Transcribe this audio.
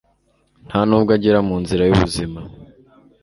nta n'ubwo agera mu nzira y'ubuzima